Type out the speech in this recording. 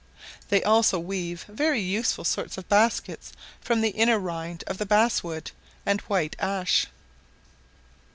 They also weave very useful sorts of baskets from the inner rind of the bass wood and white ash.